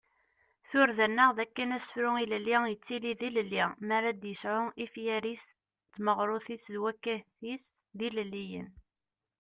Turda-nneɣ d akken asefru ilelli yettili d ilelli mi ara ad yesɛu ifyar-is d tmaɣrut-is d wakat-is d ilelliyen.